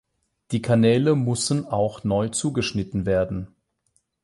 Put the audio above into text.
Die Kanäle mussen auch neu zugeschnitten werden.